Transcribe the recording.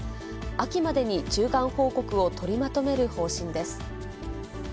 秋までに中間報告を取りまとめる方針です。